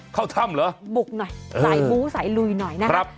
เข้าถ้ำเหรอบุกหน่อยสายบู๊สายลุยหน่อยนะครับ